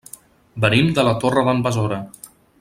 Venim de la Torre d'en Besora.